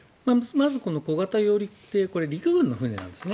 まず小型揚陸艇陸軍の船なんですね。